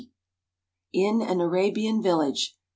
45. IN AN ARABIAN VILLAGE.